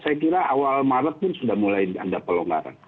saya kira awal maret pun sudah mulai ada pelonggaran